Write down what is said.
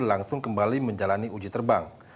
langsung kembali menjalani uji terbang